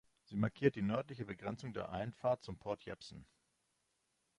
Sie markiert die nördliche Begrenzung der Einfahrt zum Port Jebsen.